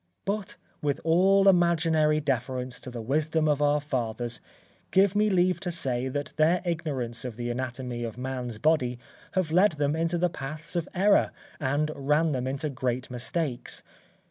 But, with all imaginary deference to the wisdom of our fathers, give me leave to say that their ignorance of the anatomy of man's body have led them into the paths of error and ran them into great mistakes.